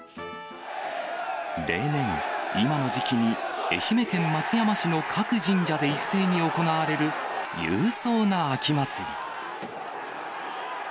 例年、今の時期に愛媛県松山市の各神社で一斉に行われる勇壮な秋祭り。